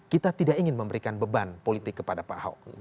kita tidak ingin memberikan beban politik kepada pak ahok